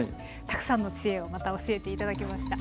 たくさんの知恵をまた教えて頂きました。